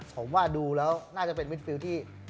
ผมว่าดูแล้วน่าจะเป็นมิดฟิลที่